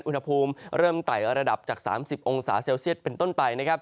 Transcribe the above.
อุณหภูมิเริ่มไต่ระดับจาก๓๐องศาเซลเซียตเป็นต้นไปนะครับ